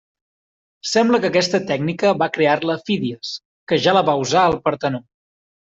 Sembla que aquesta tècnica va crear-la Fídies, que ja la va usar al Partenó.